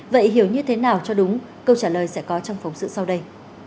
vậy hiểu như thế nào cho đúng câu trả lời sẽ có trong phóng sự sau đây